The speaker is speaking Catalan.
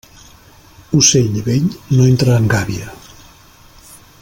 Ocell vell no entra en gàbia.